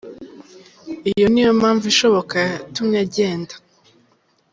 Iyo niyo mpamvu ishoboka yatumye agenda.